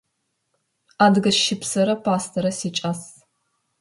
Адыгэ щыпсрэ пӏастэрэ сикӏас.